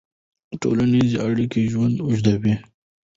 ټولنیزې اړیکې ژوند اوږدوي.